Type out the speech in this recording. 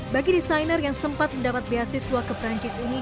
bagi desainer yang sempat mendapat beasiswa ke perancis ini